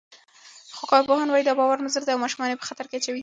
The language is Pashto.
خو کارپوهان وايي، دا باور مضر دی او ماشومان یې په خطر کې اچوي.